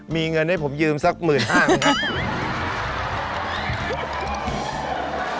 มีเงินให้ผมยืมสัก๑๕๐๐๐บาทเลยครับ